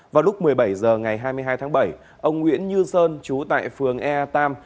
vào lúc một mươi bảy h ngày hai mươi hai tháng bảy ông nguyễn như sơn chú tại phường ea tam